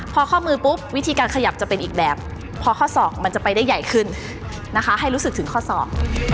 พอข้อมือปุ๊บวิธีการขยับจะเป็นอีกแบบพอข้อสองมันจะไปได้ใหญ่ขึ้นนะคะให้รู้สึกถึงข้อสอง